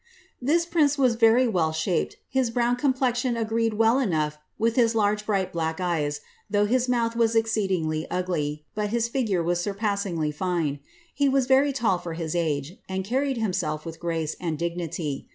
"This prince was very well shaped, his brown complexion agreed well enough with his large bright black eyes, though his mouth was exceedingly ugly, but his figure was surpassingly fine, lie was very tall for his age, and carried himself with grace and dignity.